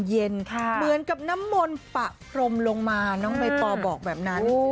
เหมือนกับน้ำมนต์ปะพรมลงมาน้องใบตอบอกแบบนั้น